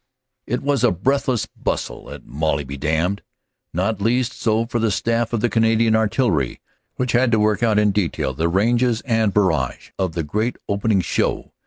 It was a breathless bustle at "Molly be damned," not least so for the staff of the Canadian Artillery, which had to work out in detail the ranges and the barrage of the great opening show.